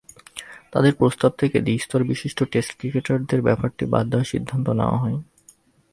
তাদের প্রস্তাব থেকে দ্বি-স্তরবিশিষ্ট টেস্ট ক্রিকেটের ব্যাপারটি বাদ দেওয়ার সিদ্ধান্ত নেওয়া হয়।